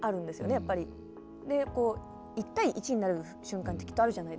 １対１になる瞬間ってきっとあるじゃないですか。